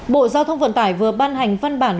bộ giao thông vận tải vừa ban hành văn bản